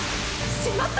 しまった！！